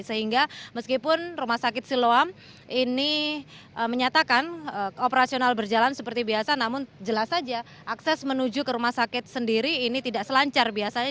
sehingga meskipun rumah sakit siloam ini menyatakan operasional berjalan seperti biasa namun jelas saja akses menuju ke rumah sakit sendiri ini tidak selancar biasanya